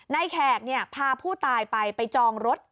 นายแขกเนี่ยพาผู้ตายไปไปจองรถ